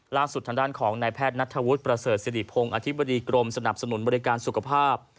ล่าสุดทางด้านของนายแพทย์นัทธวุฒิประเสริฐสิริพงศ์อธิบดีกรมสนับสนุนบริการสุขภาพ